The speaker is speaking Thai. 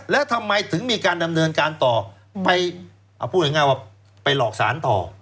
แล้วทำไมถึงมีการดำเนินการต่อไปพูดง่ายว่าไปหลอกสารต่อ